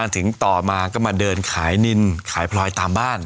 ถึงต่อมาก็มาเดินขายนินขายพลอยตามบ้าน